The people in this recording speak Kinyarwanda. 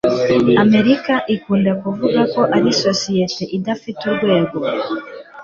Amerika ikunda kuvuga ko ari societe idafite urwego